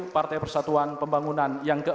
partai persatuan pembangunan yang ke empat puluh enam